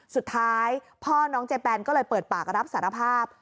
สุดท้ายพ่อน้องเจแปนก็เลยเปิดปากรับสารภาพ